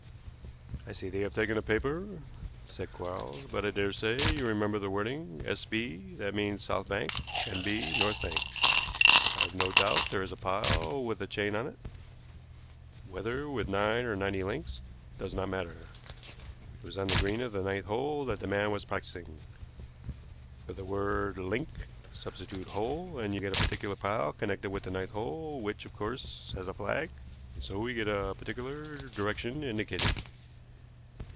"I see they have taken the paper," said Quarles; "but I dare say you remember the wording. S. B., that means south bank; N. B., north bank. I have no doubt there is a pile with a chain on it, whether with nine or ninety links does not matter. It was on the green of the ninth hole that the man was practicing. For the word "link" substitute "hole," and you get a particular pile connected with the ninth hole, which, of course, has a flag, and so we get a particular direction indicated.